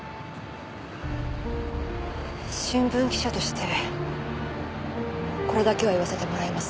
新聞記者としてこれだけは言わせてもらいます。